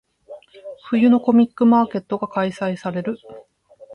冬のコミックマーケットが開催される。